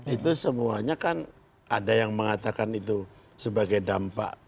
itu semuanya kan ada yang mengatakan itu sebagai dampak